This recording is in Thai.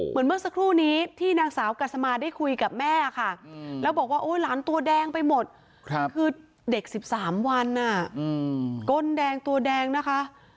เหมือนเมื่อสักครู่นี้ที่นางสาวกัสมาได้คุยกับแม่ค่ะแล้วบอกว่าหลานตัวแดงไปหมดคือเด็ก๑๓วันก้นแดงตัวแดงนะคะ